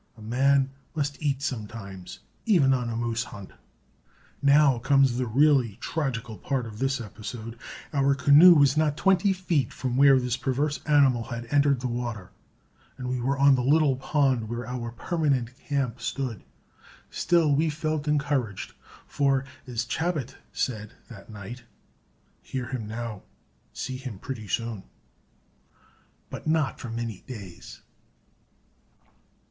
A man must eat sometimes, even on a moose hunt. Now comes the really tragical part of this episode; our canoe was not twenty feet from where this perverse animal had entered the water, and we were on the little pond where our permanent camp stood. Still we felt encouraged, for, as Chabot said that night, "Hear him now, see him pretty soon." But not for many days.